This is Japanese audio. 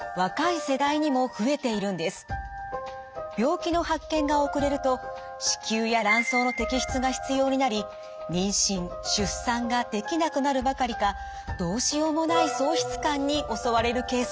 実は年々病気の発見が遅れると子宮や卵巣の摘出が必要になり妊娠・出産ができなくなるばかりかどうしようもない喪失感に襲われるケースも。